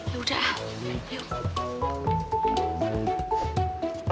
ya udah yuk